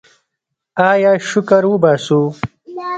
آیا شکر وباسو؟